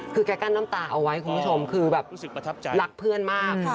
คือแก้กั้นน้ำตาเอาไว้ให้คุณผู้ชมคือแบบรักเพื่อนมาก